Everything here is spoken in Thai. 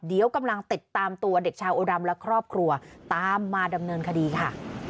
เดี๋ยวกำลังติดตามตัวเด็กชาวอุดัมและครอบครัวตามมาดำเนินคดีค่ะ